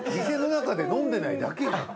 店の中で飲んでないだけやん！